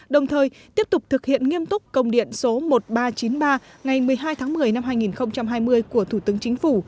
đồng thời tiếp tục thực hiện nghiêm túc công điện số một nghìn ba trăm chín mươi ba ngày một mươi hai tháng một mươi năm hai nghìn hai mươi của thủ tướng chính phủ